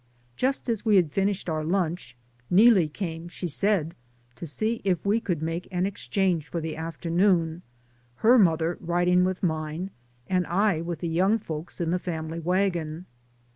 Just as we had finished our lunch, Neelie came, she said, to see if we could make an exchange for the afternoon, her mother riding with mine, and I with the young folks in the family wagon.